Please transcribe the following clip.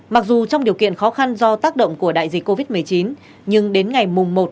mặc dù trong điều kiện khó khăn do tác động của đại dịch covid một mươi chín nhưng đến ngày một sáu hai nghìn hai mươi một